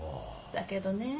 だけどねぇ。